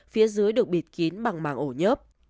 phía dưới được bịt kín bằng màng ổ nhớp